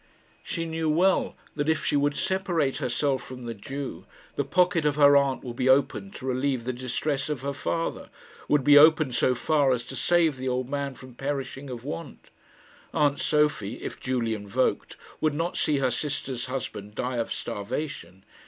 She knew well that if she would separate herself from the Jew, the pocket of her aunt would be opened to relieve the distress of her father would be opened so far as to save the old man from perishing of want. Aunt Sophie, if duly invoked, would not see her sister's husband die of starvation.